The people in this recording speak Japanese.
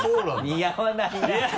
似合わないな